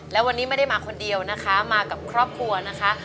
และวันนี้ไม่ได้มาคนเดียวนะคะมากับครอบครัวนะคะ